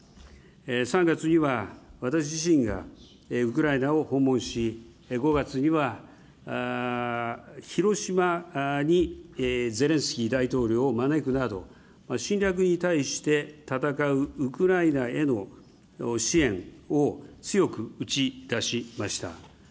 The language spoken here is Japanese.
３月には私自身がウクライナを訪問し、５月には広島にゼレンスキー大統領を招くなど、侵略に対して戦うウクライナへの支援を強く打ち出しました。